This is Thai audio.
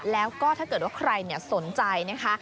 แล้วก็ถ้าเกิดว่าใครสนใจนะคะ